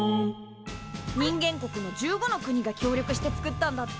人間国の１５の国が協力してつくったんだって。